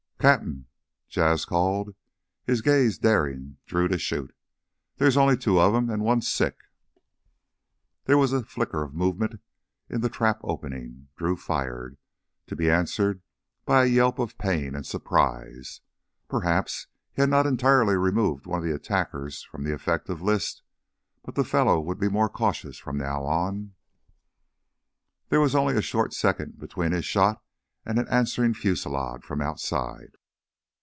"Cap'n!" Jas' called, his gaze daring Drew to shoot. "There's only two of 'em, and one's sick." There was a flicker of movement in the trap opening. Drew fired, to be answered by a yelp of pain and surprise. Perhaps he had not entirely removed one of the attackers from the effective list, but the fellow would be more cautious from now on. There was only a short second between his shot and an answering fusillade from outside.